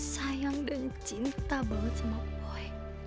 sayang dan cinta banget sama boy